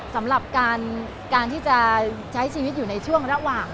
สำหรับการที่จะใช้ชีวิตอยู่ในช่วงระหว่าง